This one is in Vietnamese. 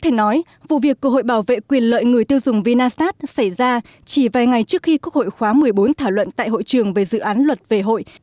thể nói vụ việc của hội bảo vệ quyền lợi người tiêu dùng vinasat xảy ra chỉ vài ngày trước khi quốc hội khóa một mươi bốn thảo luận tại hội trường về dự án luật về hội